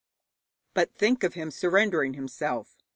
But think of him surrendering himself!